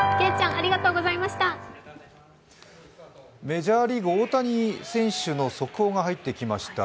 メジャーリーグ大谷選手の速報が入ってきました。